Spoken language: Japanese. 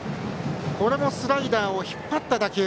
これもスライダーを引っ張った打球。